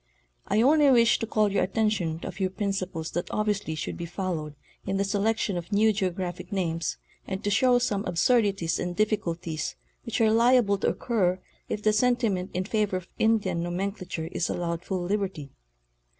I only wish to call your at tention to a few principles that obviously should be followed in the selection of new geographic names and to show some absur dities and difficulties which are liable to occur if the sentiment in favor of Indian nomenclature is allowed full liberty.